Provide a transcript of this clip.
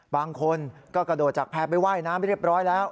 บางคนก็กระโดดจากแพร่ไปว่ายน้ำไปเรียบร้อยแล้ว